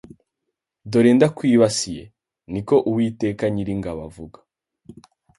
Dore ndakwibasiye ni ko Uwiteka Nyiringabo avuga